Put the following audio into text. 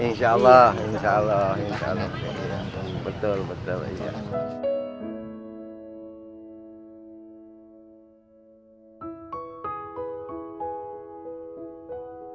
insyaallah insyaallah insyaallah betul betul